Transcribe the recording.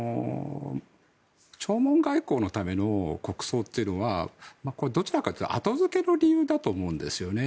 弔問外交のための国葬というのはどちらかというと後付けの理由だと思うんですね。